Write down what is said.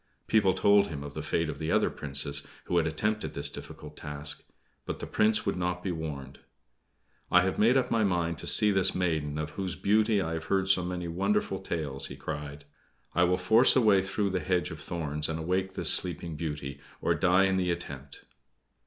People told him of the fate of the other Princes, who had also attempted this difficult task; but the Prince would not be warned. "I have made up my mind to see this maiden of whose beauty I have heard so many wonderful tales," he cried. "I will force a way through the hedge of thorns and awake this Sleeping Beauty, or die in the attempt!"